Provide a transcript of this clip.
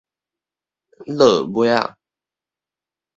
躼尾仔